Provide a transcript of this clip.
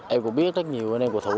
em cũng biết rất nhiều anh em cổ thủ